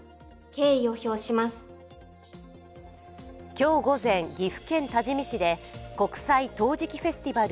今日午前、岐阜県多治見市で国際陶磁器フェスティバル